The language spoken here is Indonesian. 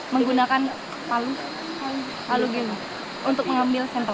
menggunakan palu lalu gini untuk mengambil sampel